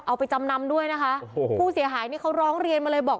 เอาไปจำนำด้วยนะคะโอ้โหผู้เสียหายนี่เขาร้องเรียนมาเลยบอก